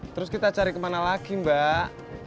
terus kita cari ke mana lagi mbak